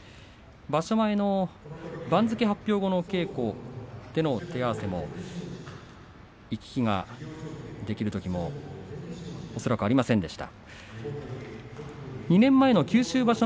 場所前の番付発表後の稽古での手合わせも行き来ができるときも恐らくありませんでした。